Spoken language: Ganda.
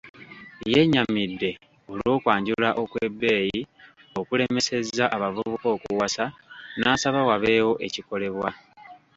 Yennyamidde olw'okwanjula okwebbeyi okulemesezza abavubuka okuwasa n'asaba wabeewo ekikolebwa.